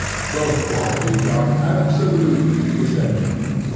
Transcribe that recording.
Both qualities are absolutely essential.